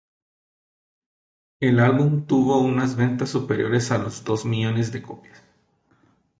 El álbum tuvo unas ventas superiores a los dos millones de copias.